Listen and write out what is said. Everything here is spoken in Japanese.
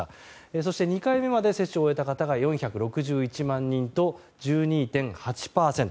そして２回目まで接種を終えた方が４６１万人と１２．８％。